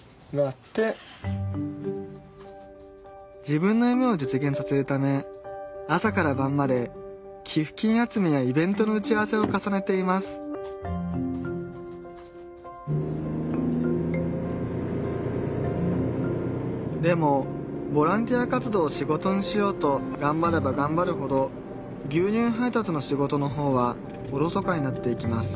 自分の夢を実現させるため朝から晩まで寄付金集めやイベントの打ち合わせを重ねていますでもボランティア活動を仕事にしようとがんばればがんばるほど牛乳配達の仕事の方はおろそかになっていきます